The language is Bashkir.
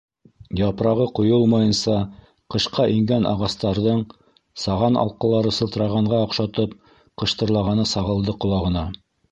Япрағы ҡойолмайынса ҡышҡа ингән ағастарҙың, саған алҡалары сылтырағанға оҡшатып ҡыштырлағаны сағылды ҡолағына.